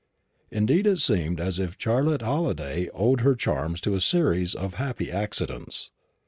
Indeed it seemed as if Charlotte Halliday owed her charms to a series of happy accidents.